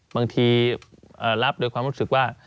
บางทีรับโดยความรู้สึกว่า